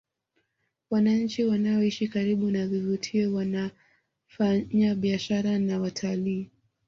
Wananchi wanaoishi karibu na vivutio waanafanya biashara na watalii